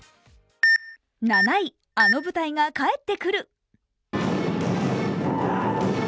７位、あの舞台が帰ってくる。